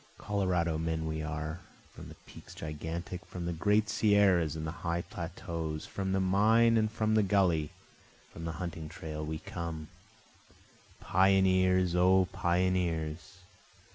Colorado men are we, From the peaks gigantic, from the great sierras and the high plateaus, From the mine and from the gully, from the hunting trail we come, Pioneers! O pioneers!